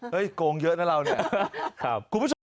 เฮ้ยโกงเยอะนะเราเนี่ย